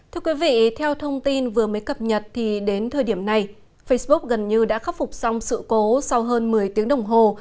thưa quý vị theo thông tin vừa mới cập nhật thì đến thời điểm này facebook gần như đã khắc phục xong sự cố sau hơn một mươi tiếng đồng hồ